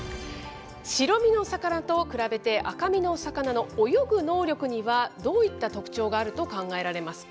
白身の魚と比べて、赤身の魚の泳ぐ能力にはどういった特徴があると考えられますか？